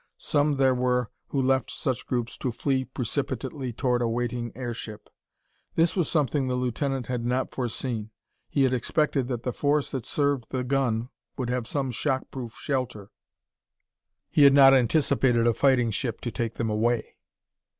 Some there were who left such groups to flee precipitately toward a waiting airship. This was something the lieutenant had not foreseen. He had expected that the force that served the gun would have some shock proof shelter; he had not anticipated a fighting ship to take them away.